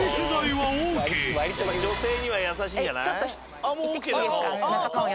女性には優しいんじゃない？